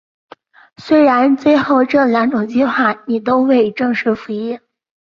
虽然最后这两种计划都未正式服役。